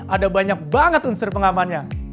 ada banyak banget unsur pengamannya